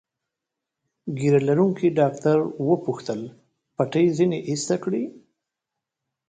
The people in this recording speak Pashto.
ږیره لرونکي ډاکټر وپوښتل: پټۍ ځینې ایسته کړي؟